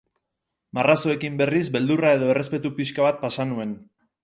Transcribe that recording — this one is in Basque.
Marrazoekin, berriz, beldurra edo errespetu pixka bat pasa nuen.